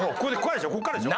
ここからでしょ？